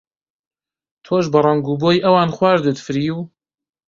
تۆش بە ڕەنگ و بۆی ئەوان خواردت فریو؟